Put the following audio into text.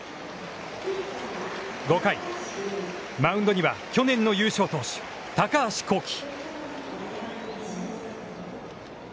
５回、マウンドには去年の優勝投手、高橋煌稀。